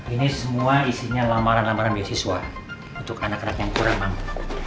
ini semua isinya lamaran lamaran beasiswa untuk anak anak yang kurang mampu